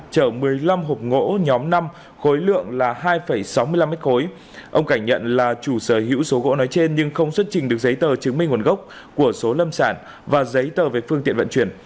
chở một mươi năm hộp gỗ nhóm năm khối lượng là hai sáu mươi năm m ba ông cảnh nhận là chủ sở hữu số gỗ nói trên nhưng không xuất trình được giấy tờ chứng minh nguồn gốc của số lâm sản và giấy tờ về phương tiện vận chuyển